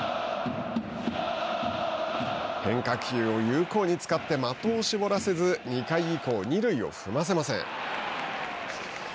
変化球を有効に使って的を絞らせず２回以降二塁を踏ませません。